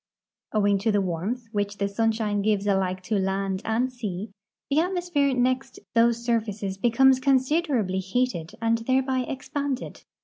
Owing to the warmth which the sunshine gives alike to land and sea, the atmosi)here next those surfaces becomes consider ably heated and thereby expanded.